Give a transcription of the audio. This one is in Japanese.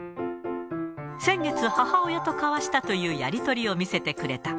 先月、母親と交わしたというやり取りを見せてくれた。